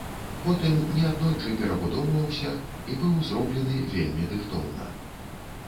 Потым неаднойчы перабудоўваўся і быў зроблены вельмі дыхтоўна.